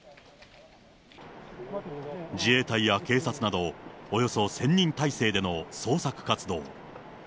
自衛隊や警察など、およそ１０００人態勢での捜索活動。